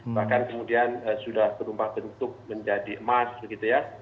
bahkan kemudian sudah berubah bentuk menjadi emas begitu ya